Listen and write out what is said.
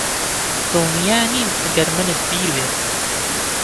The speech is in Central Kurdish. دڵنیا نیم ئەگەر منت بیر بێت